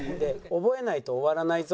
「覚えないと終わらないぞ」